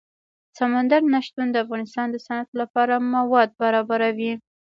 سمندر نه شتون د افغانستان د صنعت لپاره مواد برابروي.